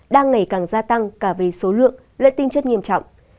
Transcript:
đang ngày càng gia tăng cả về số lượng lẫn tinh chất nghiêm trọng